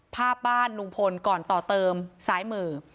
ภาพบ้านลุงพลก่อนต่อเติมซ้ายมือ